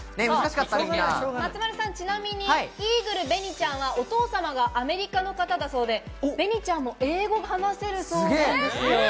松丸さん、ちなみにイーグルべにちゃんは、お父様がアメリカの方だそうで、べにちゃんも英語が話せるそうです。